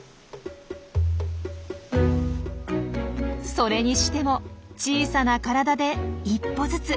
それにしても小さな体で一歩ずつ。